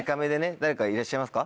誰かいらっしゃいますか？